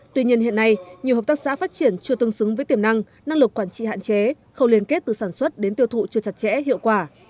tuy nhiên hiện nay nhiều hợp tác xã phát triển chưa tương xứng với tiềm năng năng lực quản trị hạn chế khâu liên kết từ sản xuất đến tiêu thụ chưa chặt chẽ hiệu quả